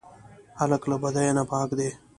هلک له بدیو نه پاک دی.